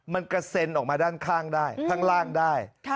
มันกระเซ็นออกมาด้านข้างได้ข้างล่างได้